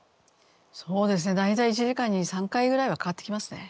そうですね大体一時間に３回ぐらいはかかってきますね。